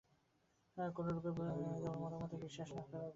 কোনরূপ মতামতে বিশ্বাস করা না করার উপর ধর্ম নির্ভর করে না।